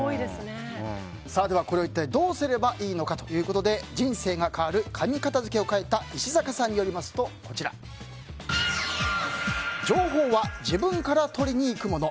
ではこれを一体どうすればいいのかということで「人生が変わる紙片づけ！」を書いた石阪さんによりますと情報は自分から取りにいくもの。